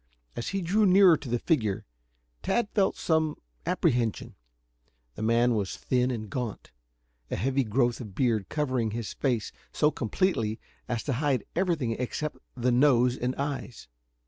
As he drew nearer to the figure, Tad felt some apprehension. The man was thin and gaunt, a heavy growth of beard covering his face so completely as to hide everything except the nose and eyes.